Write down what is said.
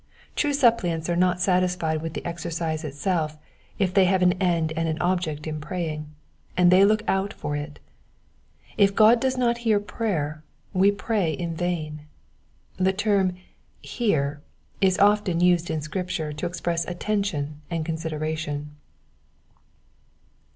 True supplicants are not satisfied with the exercise itself, they have an end and object in praying, and they look out for it. If God does not hear prayer we pray in vain. The term hear" is often used in Scripture to express attention and consideration.